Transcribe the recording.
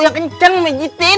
yang kenceng nginjitin